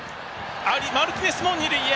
マルティネスも二塁へ。